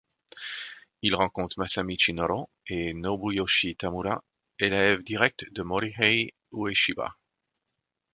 Il rencontre Masamichi Noro et Nobuyoshi Tamura, élèves directs de Morihei Ueshiba.